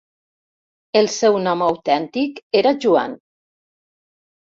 El seu nom autèntic era Joan.